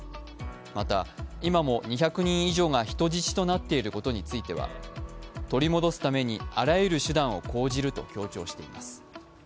また、今も２００人以上が人質となっていることについては、取り戻すためにあらゆる手段を講じると強調しています。